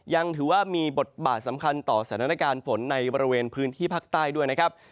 ยังถือว่ามีบทบาทสำคัญต่อสถานการณ์ฝนในบริเวณพื้นที่ภาคใต้ด้วยนะครับ